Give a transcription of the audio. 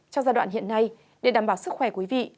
trong giai đoạn hiện nay để đảm bảo sức khỏe quý vị